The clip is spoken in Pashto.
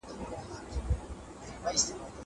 هغه وويل چي پلان جوړول مهم دي!